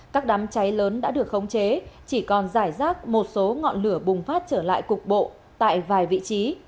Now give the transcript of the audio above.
các đám cháy lớn đã được khống chế chỉ còn giải rác một số ngọn lửa bùng phát trở lại cục bộ tại vài vị trí